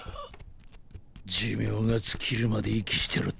寿命が尽きるまで息してろって？